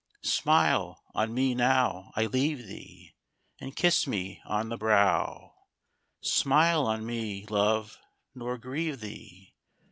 Smile on me now I leave thee! And kiss me on the brow! Smile on me, love, nor grieve thee!